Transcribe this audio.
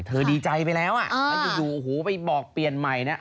เธอดีใจไปแล้วอะถ้าอยู่ไปบอกเปลี่ยนใหม่นะ